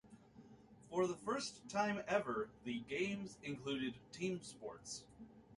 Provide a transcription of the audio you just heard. For the first time ever, the games included team sports.